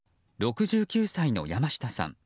６９歳の山下さん。